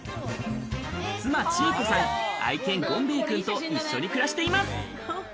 妻・千慧子さん、愛犬・権兵衛くんと一緒に暮らしています。